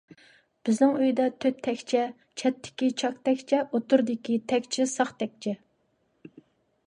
بىزنىڭ ئۆيدە تۆت تەكچە، چەتتىكى چاك تەكچە، ئوتتۇرىدىكى تەكچە ساق تەكچە.